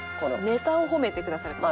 ネタを褒めてくださる方。